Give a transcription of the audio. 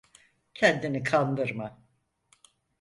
Kendini kandırma.